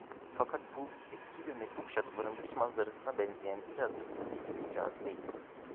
Fakat bu, eski ve metruk şatoların dış manzarasına benzeyen, biraz da ürkütücü bir cazibeydi.